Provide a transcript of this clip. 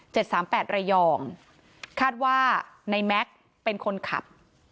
สามแปดระยองคาดว่าในแม็กซ์เป็นคนขับ